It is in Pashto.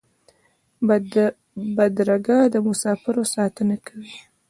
بدرګه د مسافرو ساتنه کوي.